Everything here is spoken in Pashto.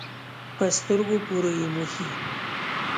په سترګو پورې یې مښي.